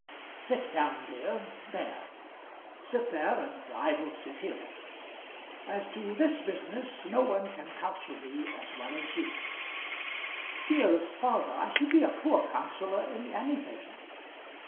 "Sit down, dear; there; sit there, and I will sit here. As to this business, no one can counsel me as well as you." "Dearest father, I should be a poor councillor in anything."